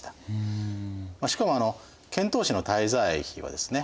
しかも遣唐使の滞在費はですね